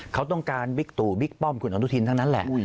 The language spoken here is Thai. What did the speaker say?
เขาต้องการบิ๊กตู่บิ๊กป้อมคุณอนุทินทั้งนั้นแหละ